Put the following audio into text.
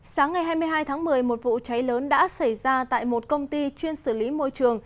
sáng ngày hai mươi hai tháng một mươi một vụ cháy lớn đã xảy ra tại một công ty chuyên xử lý môi trường